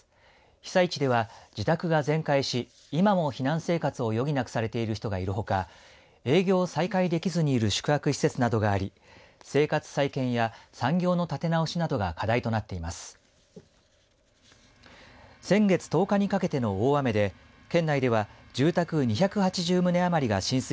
被災地では自宅が全壊し今も避難生活を余儀なくされている人がいるほか営業を再開できずにいる宿泊施設などがあり生活再建や産業の建て直しなどが課題となっています。